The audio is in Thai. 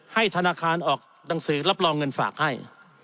ธนาคารออกหนังสือรับรองเงินฝากให้